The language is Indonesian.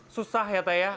susah ya teh